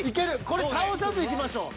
これ倒さずいきましょう。